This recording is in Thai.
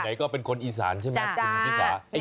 ไหนก็เป็นคนอีสานใช่ไหมคุณชิสา